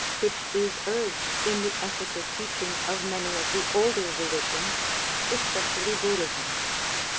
which is urged in the ethical teaching of many of the older religions, especially Buddhism.